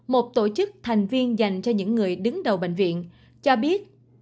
một tổ chức thành viên dành cho những người đứng đầu bệnh viện cho biết